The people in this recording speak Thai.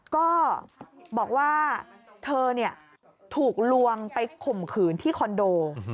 ก็บอกว่าเธอถูกลวงไปข่มขืนที่คอนโด